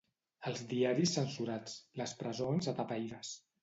Els diaris censurats, les presons atapeïdes